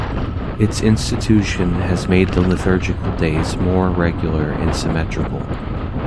Its institution has made the liturgical day more regular and symmetrical.